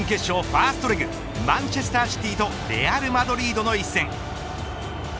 ファーストレグマンチェスターシティとレアルマドリードの一戦。